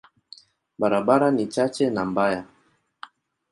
Barabara ni chache na mbaya.